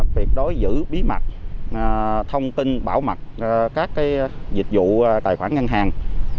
tuyệt đối giữ bí mật thông tin bảo mật các dịch vụ tài khoản ngân hàng